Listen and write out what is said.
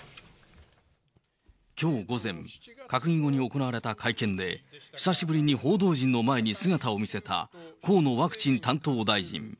きょう午前、閣議後に行われた会見で、久しぶりに報道陣の前に姿を見せた河野ワクチン担当大臣。